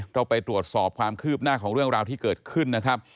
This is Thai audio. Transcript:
เราไปตรวจสอบความคืบหน้าของเรื่องราวที่เกิดขึ้นนะครับ